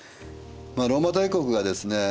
ローマ帝国がですね